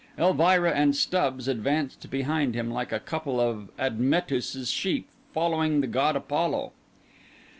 Elvira and Stubbs advanced behind him, like a couple of Admetus's sheep following the god Apollo.